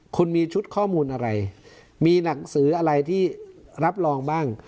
คุณมีชุดข้อมูลอะไรมีหนังสืออะไรที่รับรองบ้าง